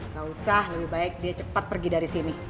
gak usah lebih baik dia cepat pergi dari sini